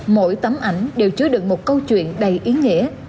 mỗi tấm ảnh đều chứa được một câu chuyện đầy ý nghĩa